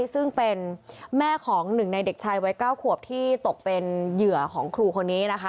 ซึ่งเป็นแม่ของหนึ่งในเด็กชายวัย๙ขวบที่ตกเป็นเหยื่อของครูคนนี้นะคะ